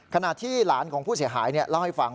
ขณะที่หลานของผู้เสียหายเล่าให้ฟัง